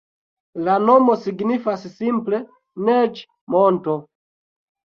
La nomo signifas simple Neĝ-monto.